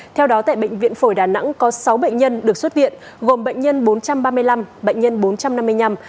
theo đó tại bệnh viện phổi đà nẵng có sáu bệnh nhân được xuất viện gồm bệnh nhân bốn trăm ba mươi năm bệnh nhân bốn trăm năm mươi năm